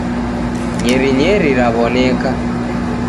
Nyeri nyeri raw'oneka.